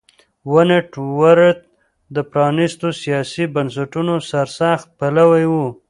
ونټ ورت د پرانیستو سیاسي بنسټونو سرسخت پلوی و.